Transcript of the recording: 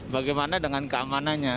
bagaimana dengan keamanannya